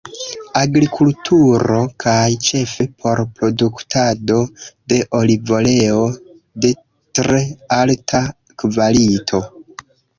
Agrikulturo kaj ĉefe por produktado de olivoleo de tre alta kvalito.